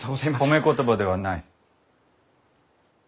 褒め言葉ではない。